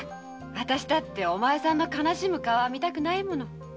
あたしだってお前さんの悲しむ顔は見たくないもの。